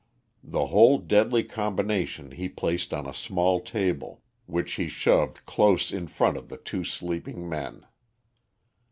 The whole deadly combination he placed on a small table, which he shoved close in front of the two sleeping men.